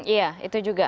iya itu juga